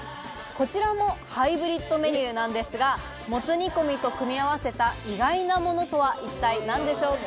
こちらもハイブリッドメニューなんですが、もつ煮込みと組み合わせた意外なものとは一体何でしょうか？